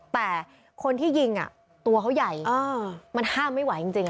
แต่คนที่ยิงตัวเขาใหญ่มันห้ามไม่ไหวจริง